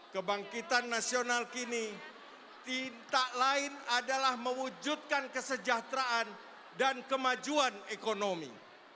kebangkitan nasional kini tinta lain adalah mewujudkan kesejahteraan dan kemajuan ekonomi